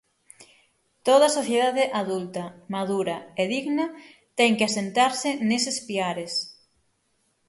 Toda sociedade adulta, madura e digna ten que asentarse neses piares.